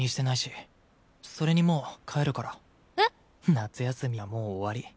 夏休みはもう終わり。